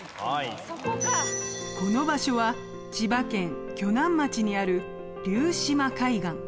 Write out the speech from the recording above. この場所は千葉県鋸南町にある竜島海岸。